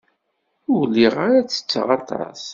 Ur lliɣ ara ttetteɣ aṭas.